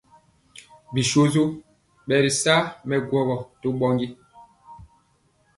Bisoso ɓɛ ri sa mɛ gwɔwɔ to ɓɔndi.